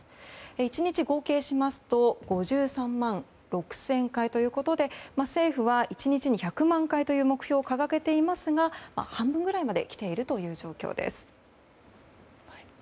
１日合計しますと５３万６０００回ということで政府は、１日に１００万回という目標を掲げていますが半分ぐらいまで来ている状況です。